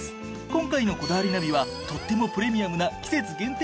今回の『こだわりナビ』はとってもプレミアムな季節限定